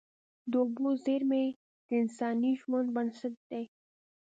د اوبو زیرمې د انساني ژوند بنسټ دي.